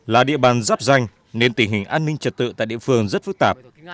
là địa bàn rắp ranh nên tình hình an ninh trật tự tại địa phương rất phức tạp